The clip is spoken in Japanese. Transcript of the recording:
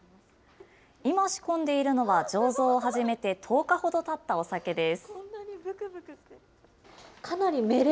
今、仕込んでいるのは醸造を始めて１０日ほどたったお酒です。